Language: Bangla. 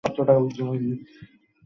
এই কাহিনী আমাকে আর আমার শিক্ষককে নিয়ে।